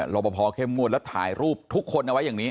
รอปภเข้มงวดแล้วถ่ายรูปทุกคนเอาไว้อย่างนี้